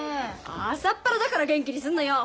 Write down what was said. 朝っぱらだから元気にすんのよ。